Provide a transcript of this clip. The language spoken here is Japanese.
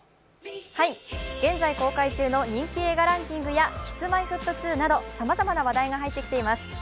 現在公開中の人気映画ランキングやＫｉｓ−Ｍｙ−Ｆｔ２などさまざまな話題が入ってきています。